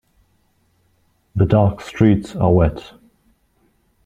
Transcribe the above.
The dark streets are wet.